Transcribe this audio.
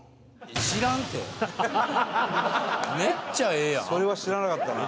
めっちゃええやん？